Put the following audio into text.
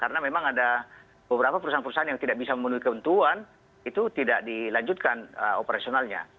karena memang ada beberapa perusahaan perusahaan yang tidak bisa memenuhi keuntungan itu tidak dilanjutkan operasionalnya